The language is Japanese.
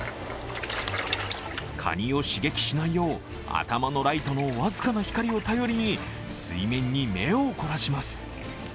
かにを刺激しないよう頭のライトの僅かな光を頼りに水面に目を凝らします。